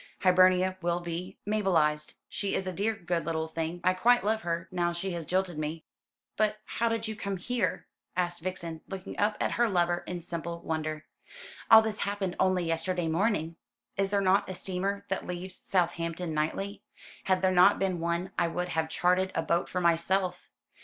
Hibernia will be Mabelised. She is a dear good little thing. I quite love her, now she has jilted me." "But how did you come here?" asked Vixen, looking up at her lover in simple wonder. "All this happened only yesterday morning." "Is there not a steamer that leaves Southampton nightly? Had there not been one I would have chartered a boat for myself.